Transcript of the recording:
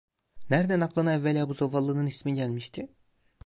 Nereden aklına evvela bu zavallının ismi gelmişti?